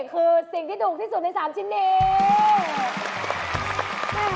คือสิ่งที่ถูกที่สุดใน๓ชิ้นนี้